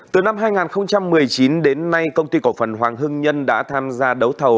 từ năm hai nghìn một mươi chín đến nay công ty cổ phần hoàng hưng nhân đã tham gia đấu thầu